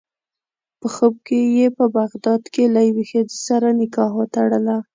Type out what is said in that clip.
په خوب کې یې په بغداد کې له یوې ښځې سره نکاح وتړله.